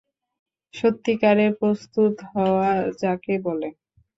সত্যিকারের প্রস্তুত হওয়া যাকে বলে!